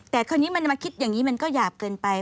แต่คราวนี้มันจะมาคิดอย่างนี้มันก็หยาบเกินไป